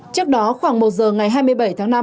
trước đó khoảng một giờ ngày hai mươi bảy tháng năm